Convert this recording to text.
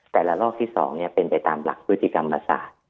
แต่ละรอบที่๒เนี่ยเป็นไปตามหลักพฤติกรรมศาสตร์